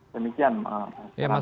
demikian makasih pak wandi